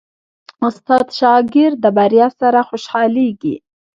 استاد د شاګرد د بریا سره خوشحالېږي.